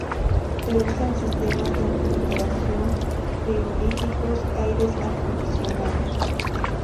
Se usa en sistemas de refrigeración: frigoríficos, aires acondicionados.